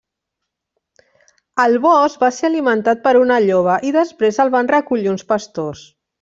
Al bosc, va ser alimentat per una lloba i després el van recollir uns pastors.